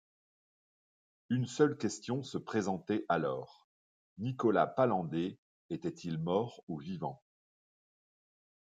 Une seule question se présentait alors: Nicolas Palander était-il mort ou vivant?